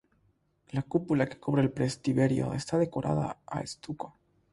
La cúpula que cubre el presbiterio está decorada a estuco.